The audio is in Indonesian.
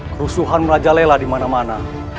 kerusuhan merajalela dimana mana